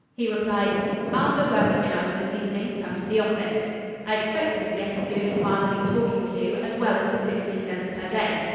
He replied, 'After working hours this evening, come to the office.' I expected to get a good fatherly talking to as well as the sixty cents per day.